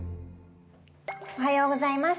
おはようございます。